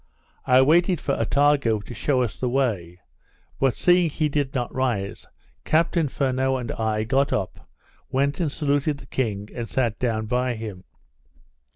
I waited for Attago to shew us the way; but seeing he did not rise, Captain Furneaux and I got up, went and saluted the king, and sat down by him.